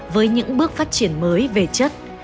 với những bước phát triển mới về chất